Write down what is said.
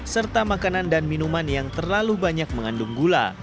serta makanan dan minuman yang terlalu banyak mengandung gula